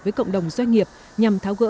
với cộng đồng doanh nghiệp nhằm tháo gỡ